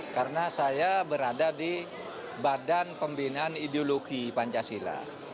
karena saya berada di badan pembinaan ideologi pancasila